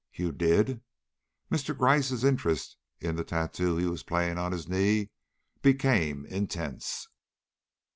"You did?" Mr. Gryce's interest in the tattoo he was playing on his knee became intense.